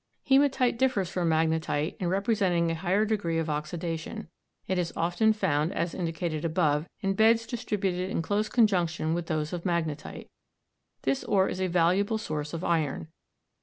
Hematite differs from magnetite in representing a higher degree of oxidation. It is often found, as indicated above, in beds distributed in close conjunction with those of magnetite. This ore is a valuable source of iron.